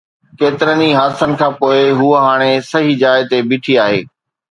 ڪيترن ئي حادثن کان پوءِ، هوءَ هاڻي صحيح جاءِ تي بيٺي آهي.